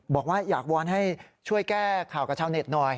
บอกว่าอยากวอนให้ช่วยแก้ข่าวกับชาวเน็ตหน่อย